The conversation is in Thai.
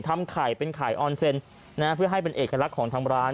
ทำไข่เป็นไข่ออนเซ็นนะฮะเพื่อให้เป็นเอกลักษณ์ของทางร้าน